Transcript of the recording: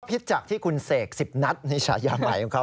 พิจักษ์ที่คุณเสกสิบนัทในภายในฉาย้ามายของเขา